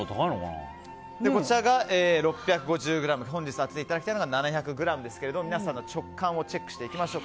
こちらが６５０本日当てていただきたいのが７００ｇですけど皆さんの直観をチェックしていきましょう。